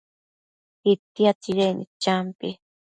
itia tsidecnid champi